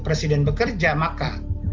presiden bekerja maka